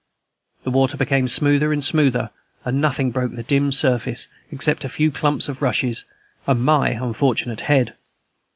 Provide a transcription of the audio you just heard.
The water became smoother and smoother, and nothing broke the dim surface except a few clumps of rushes and my unfortunate head.